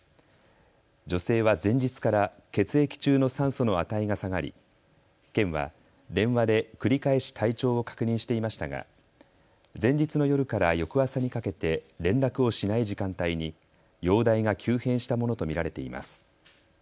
女性は前日から血液中の酸素の値が下がり県は電話で繰り返し体調を確認していましたが前日の夜から翌朝にかけて連絡をしない時間帯に容体が急変したものと見られています。